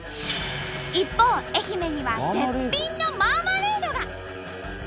一方愛媛には絶品のマーマレードが！